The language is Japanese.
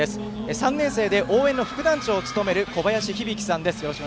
３年生で応援の副団長を務めるこばやしひびきさんです。